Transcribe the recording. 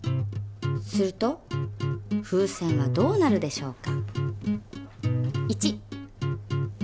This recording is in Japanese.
すると風船はどうなるでしょうか？